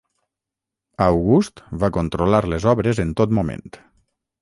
August va controlar les obres en tot moment.